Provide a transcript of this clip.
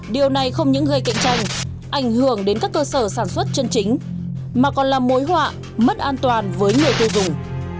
điều này không những gây cạnh tranh ảnh hưởng đến các cơ sở sản xuất chân chính mà còn là mối họa mất an toàn với người tiêu dùng